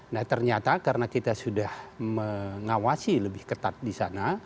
nah ternyata karena kita sudah mengawasi lebih ketat di sana